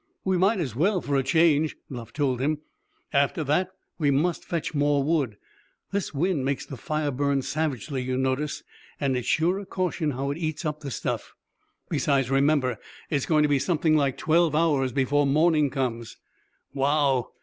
"We might as well, for a change," Bluff told him. "After that, we must fetch more wood. The wind makes the fire burn savagely, you notice, and it's sure a caution how it eats up the stuff. Besides, remember it's going to be something like twelve hours before morning comes." "Wow!